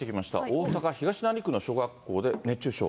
大阪・東成区の小学校で熱中症。